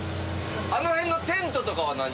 あの辺のテントとかは何？